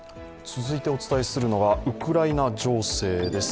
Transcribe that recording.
続いてお伝えするのはウクライナ情勢です。